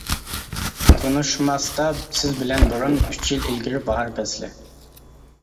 تونۇشماستا سىز بىلەن بۇرۇن، ئۈچ يىل ئىلگىرى باھار پەسلى.